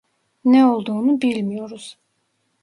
Ne olduğunu bilmiyoruz.